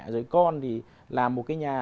rồi con thì làm một cái nhà